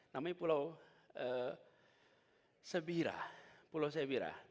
namanya pulau sebirah